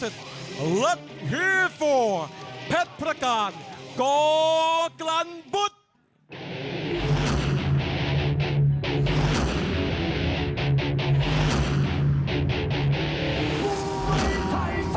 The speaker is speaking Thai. มากันกันกันกันกันแฟนพุทธการโกกลันบุทธ